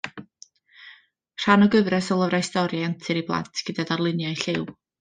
Rhan o gyfres o lyfrau stori antur i blant gyda darluniau lliw.